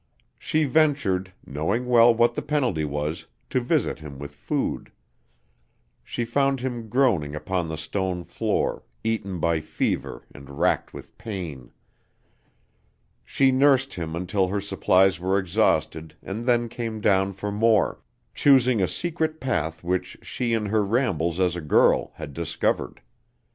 She ventured, knowing well what the penalty was, to visit him with food. She found him groaning upon the stone floor, eaten by fever and racked with pain. She nursed him until her supplies were exhausted and then came down for more, choosing a secret path which she in her rambles as a girl had discovered.